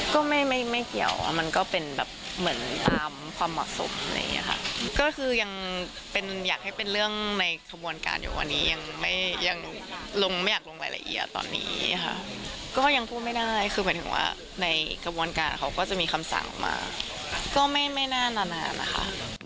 ก็ยังพูดไม่ได้คือเป็นถึงว่าในกระบวนการเขาก็จะมีคำสั่งมาก็ไม่นานานานนะคะ